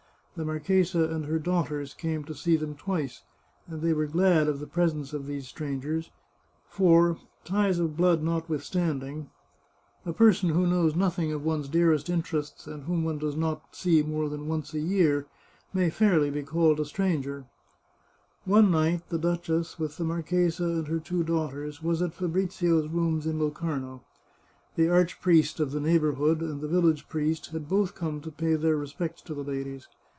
The marchesa and her daughters came to see them twice, and they were glad of the presence of these strangers — for ties of blood notwithstanding, a person who knows 430 The Chartreuse of Parma nothing of one's dearest interests, and whom one does not see more than once a year, may fairly be called a stranger. One night, the duchess, with the marchesa and her two daughters, was at Fabrizio's rooms in Locarno. The arch priest of the neighbourhood and the village priest had both come to pay their respects to the ladies.